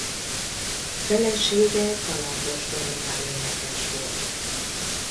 Felesége Galambos Dorina énekes volt.